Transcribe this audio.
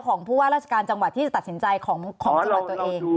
ของผู้ว่าราชการจังหวัดที่จะตัดสินใจของจังหวัดตัวเอง